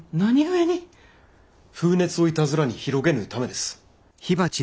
風熱をいたずらに広げぬためです。